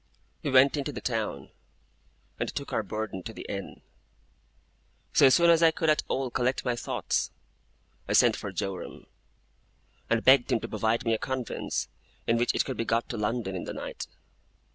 We went into the town, and took our burden to the inn. So soon as I could at all collect my thoughts, I sent for Joram, and begged him to provide me a conveyance in which it could be got to London in the night.